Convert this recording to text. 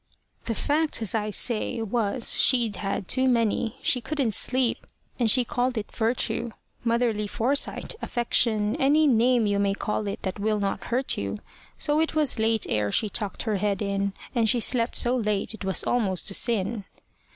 The fact, as I say, was, she'd had too many; She couldn't sleep, and she called it virtue, Motherly foresight, affection, any Name you may call it that will not hurt you, So it was late ere she tucked her head in, And she slept so late it was almost a sin.